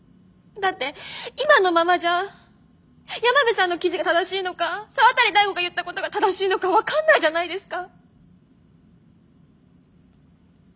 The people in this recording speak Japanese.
だって今のままじゃ山辺さんの記事が正しいのか沢渡大吾が言ったことが正しいのか分かんないじゃないですか。